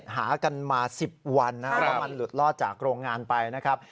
หากันมา๑๐วันแล้วมันหลุดลอดจากโรงงานไปนะครับ